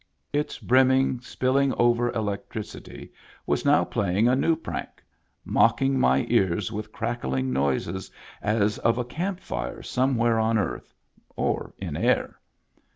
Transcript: Its brimming, spiUing over electricity was now playing a new prank — mocking my ears with crackling noises, as of a camp fire somewhere on earth, or in air.